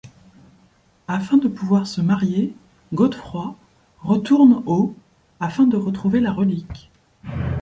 Afin de pouvoir se marier, Godefroy retourne au afin de retrouver la relique.